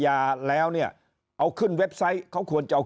อย่างนั้นเนี่ยถ้าเราไม่มีอะไรที่จะเปรียบเทียบเราจะทราบได้ไงฮะเออ